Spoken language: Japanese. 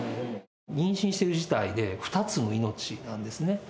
妊娠してる自体で、２つの命なんですね。